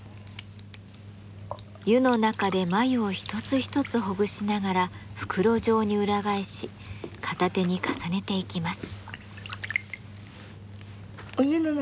湯の中で繭を一つ一つほぐしながら袋状に裏返し片手に重ねていきます。